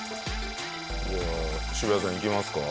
じゃあ渋谷さんいきますか？